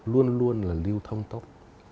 luôn luôn là lưu thông tốc